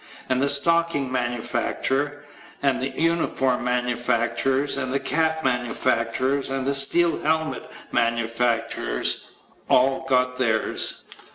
And the stocking manufacturer and the uniform manufacturers and the cap manufacturers and the steel helmet manufacturers all got theirs.